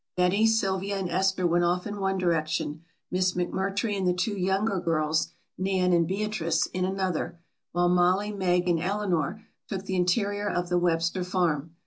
Betty, Sylvia and Esther went off in one direction, Miss McMurtry and the two younger girls, Nan and Beatrice, in another, while Mollie, Meg and Eleanor took the interior of the Webster farm.